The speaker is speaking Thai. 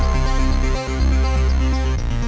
ก็อย่าทำ